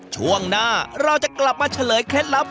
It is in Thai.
ช่วงหน้าเราจะกลับมาเฉลยเคล็ดลับ